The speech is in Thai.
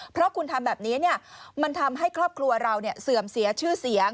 เพราะคุณทำแบบนี้มันทำให้ครอบครัวเราเสื่อมเสียชื่อเสียง